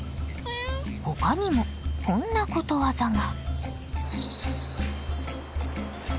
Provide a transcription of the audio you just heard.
ほかにもこんなことわざが。